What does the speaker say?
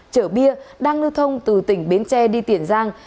chở bia đang lưu thông từ tỉnh bến tre đi tiền giang